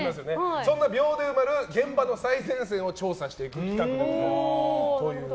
そんな秒で埋まる現場の最前線を調査する企画でございます。